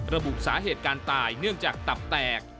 ระบุสาเหตุการตายเนื่องจากตับแตก